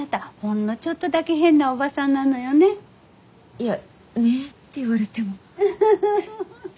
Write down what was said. いやねって言われても。